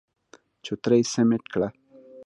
چوتره يې سمټ کړه.